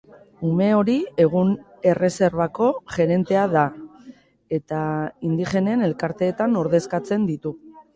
Ume hori egun erreserbako gerentea da eta indigenen elkarteetan ordezkatzen ditu.